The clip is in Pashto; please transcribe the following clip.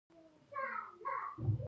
په کوم ژور او هېر شوي خوب کې.